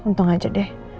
wah untung aja deh